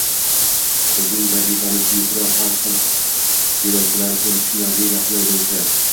Bizning vazifamiz — metro har xil yo‘lovchilar uchun tushunarli va qulay bo‘lishi